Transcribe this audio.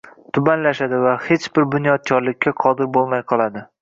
tubanlashadi va hech bir bunyodkorlikka qodir bo‘lmay qoladi.